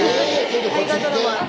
大河ドラマ